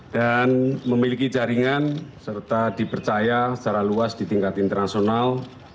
dan memiliki jaringan serta dipercaya secara luas di tingkat internasional